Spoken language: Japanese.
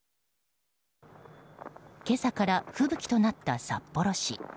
今朝からふぶきとなった札幌市。